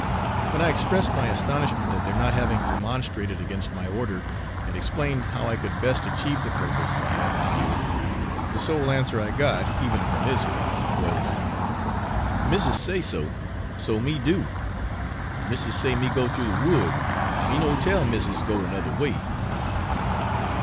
When I expressed my astonishment at their not having remonstrated against my order, and explained how I could best achieve the purpose I had in view, the sole answer I got even from Israel was, 'Missis say so, so me do; missis say me go through the wood, me no tell missis go another way.'